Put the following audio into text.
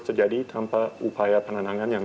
terjadi tanpa upaya penerangan yang